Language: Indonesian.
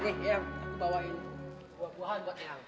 eyang aku bawain buah buahan buat eyang